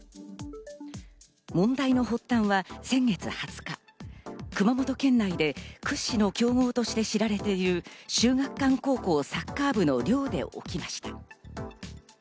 問題の発端は先月２０日、熊本県内で屈指の強豪として知られている秀岳館高校サッカー部の寮で起きました。